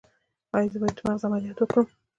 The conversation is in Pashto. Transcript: ایا زه باید د مغز عملیات وکړم؟